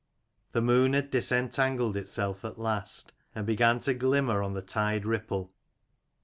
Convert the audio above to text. The moon had disentangled itself at last, and began to glimmer on the tide ripple.